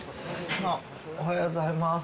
おはようございます。